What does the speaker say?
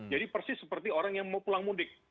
jadi persis seperti orang yang mau pulang mudik